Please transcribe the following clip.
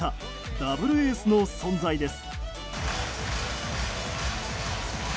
ダブルエースの存在です。